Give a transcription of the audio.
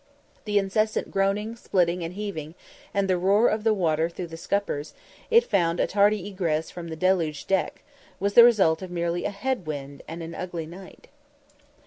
The incessant groaning, splitting, and heaving, and the roar of the water through the scuppers, as it found a tardy egress from the deluged deck, was the result of merely a "head wind" and "an ugly night."